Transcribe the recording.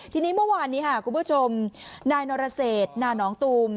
ทีนี้เมื่อวานนี้ค่ะคุณผู้ชมนายนรเศษนานองตูม